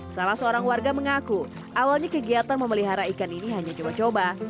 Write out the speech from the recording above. salah seorang warga mengaku awalnya kegiatan memelihara ikan ini hanya coba coba